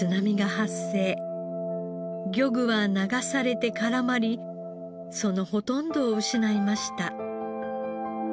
漁具は流されて絡まりそのほとんどを失いました。